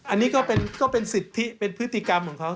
อันนี้ก็เป็นสิทธิเป็นพฤติกรรมของเขา